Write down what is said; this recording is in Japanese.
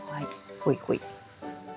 ほいほい。